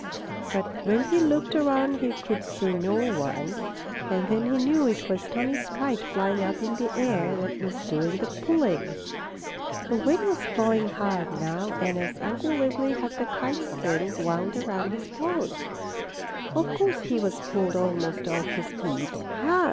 But when he looked around he could see no one, and then he knew it was Tommie's kite, flying up in the air, that was doing the pulling. The wind was blowing hard now, and as Uncle Wiggily had the kite string wound around his paws, of course he was pulled almost off his feet. "Ha!